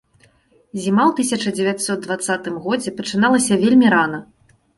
Зіма ў тысяча дзевяцьсот дваццатым годзе пачыналася вельмі рана.